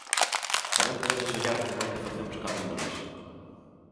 Tamén podedes ollar como é que facemos cada un de nós